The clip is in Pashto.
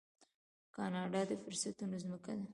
کاناډا د فرصتونو ځمکه ده.